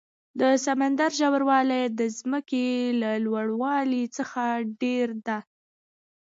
د سمندر ژور والی د ځمکې له لوړ والي څخه ډېر ده.